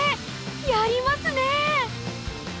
やりますねぇ！